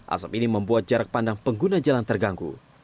asap ini membuat jarak pandang pengguna jalan terganggu